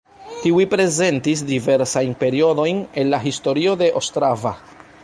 Tiuj prezentis diversajn periodojn el la historio de Ostrava.